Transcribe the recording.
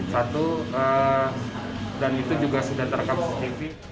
satu dan itu juga sudah terekam cctv